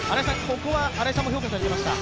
ここは新井さんも評価されていました。